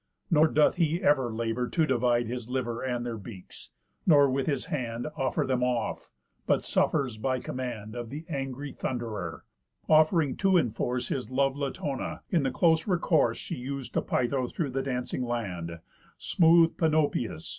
Nor doth he ever labour to divide His liver and their beaks, nor with his hand Offer them off, but suffers by command Of th' angry Thund'rer, off'ring to enforce His love Latona, in the close recourse She us'd to Pytho through the dancing land, Smooth Panopëus.